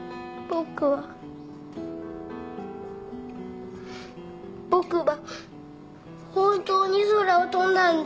僕は本当に空を飛んだんです。